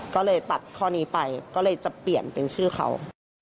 ก็เลยตัดข้อนี้ไปก็เลยจะเปลี่ยนเป็นชื่อเขา